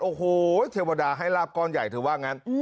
โอ้โหเทวดาให้ลาบก้อนใหญ่เธอว่างั้น